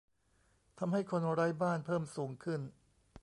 ทำให้ "คนไร้บ้าน" เพิ่มสูงขึ้น